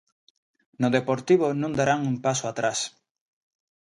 No Deportivo non darán un paso atrás.